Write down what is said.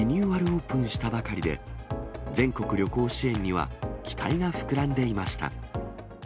オープンしたばかりで、全国旅行支援には期待が膨らんでいました。